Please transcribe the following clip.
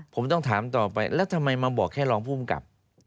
ผมต้องถามต่อไปแล้วทำไมมาบอกแค่รองผู้กำกับ